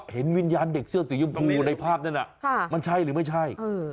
เห็นวิญญาณเด็กเสื้อสีชมพูในภาพนั้นมันใช่หรือไม่ใช่